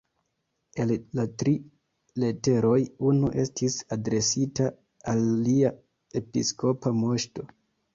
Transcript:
El la tri leteroj unu estis adresita al Lia Episkopa Moŝto.